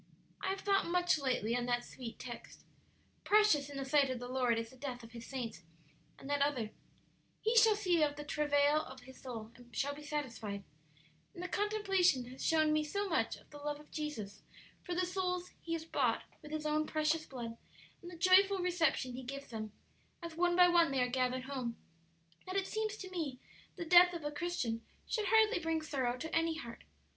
"I have thought much lately on that sweet text, 'Precious in the sight of the Lord is the death of His saints;' and that other, 'He shall see of the travail of his soul, and shall be satisfied,' and the contemplation has shown me so much of the love of Jesus for the souls He has bought with His own precious blood and the joyful reception He gives them, as one by one they are gathered home, that it seems to me the death of a Christian should hardly bring sorrow to any heart.